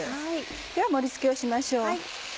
では盛り付けをしましょう。